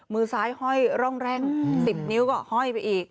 มือซ้ายห้อยร่องแร่ง๑๐นิ้วก็ห้อยไปอีก